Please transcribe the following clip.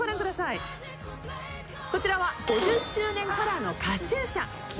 こちらは５０周年カラーのカチューシャ。